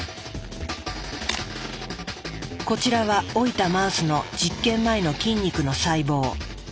こちらは老いたマウスの実験前の筋肉の細胞。